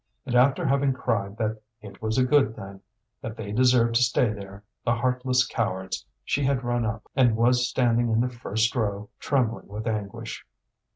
And after having cried that it was a good thing, that they deserved to stay there, the heartless cowards, she had run up, and was standing in the first row, trembling with anguish.